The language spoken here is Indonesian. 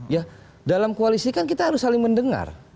ya dalam koalisi kan kita harus saling mendengar